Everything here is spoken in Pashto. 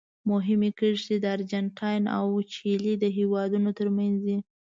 مهمې کرښې د ارجنټاین او چیلي د هېوادونو ترمنځ دي.